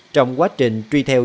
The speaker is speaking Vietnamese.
trong quá trình truy theo